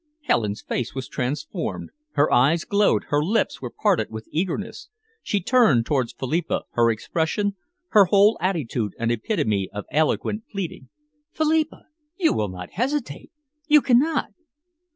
Helen's face was transformed, her eyes glowed, her lips were parted with eagerness. She turned towards Philippa, her expression, her whole attitude an epitome of eloquent pleading. "Philippa, you will not hesitate? You cannot?"